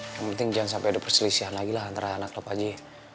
yang penting jangan sampai ada perselisihan lagi lah antara anak lo pak ji